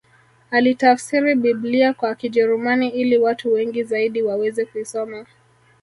Alitafsiri Biblia kwa Kijerumani ili watu wengi zaidi waweze kuisoma